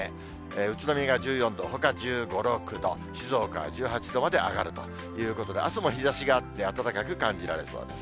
宇都宮が１４度、ほか１５、６度、静岡は１８度まで上がるということで、あすも日ざしがあって、暖かく感じられそうです。